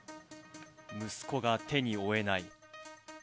息子が手に負えない。